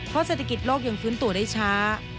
เพราะเศรษฐกิจโลกยังฟื้นตัวได้ช้า